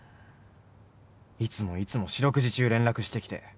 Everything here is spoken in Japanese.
いつもいつも四六時中連絡してきて。